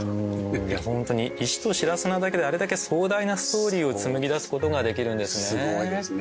本当に石と白砂だけであれだけ壮大なストーリーを紡ぎ出すことができるんですね。